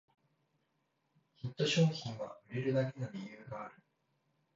ヒット商品は売れるだけの理由がある